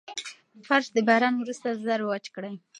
فرش د باران وروسته ژر وچ کړئ.